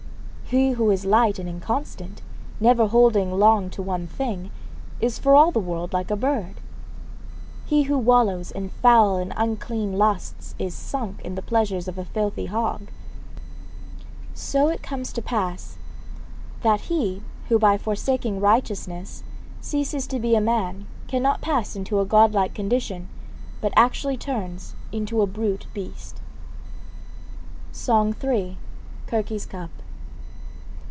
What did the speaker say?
He who is light and inconstant, never holding long to one thing, is for all the world like a bird. He who wallows in foul and unclean lusts is sunk in the pleasures of a filthy hog. So it comes to pass that he who by forsaking righteousness ceases to be a man cannot pass into a Godlike condition, but actually turns into a brute beast.' SONG III. CIRCE'S CUP.